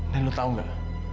dan lo tau gak